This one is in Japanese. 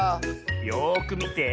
よくみて。